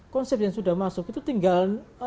konsep yang sudah masuk itu tinggal